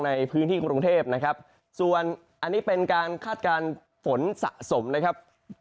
ในพื้นที่กรุงเทพนะครับส่วนอันนี้เป็นการคาดการณ์ฝนสะสมนะครับ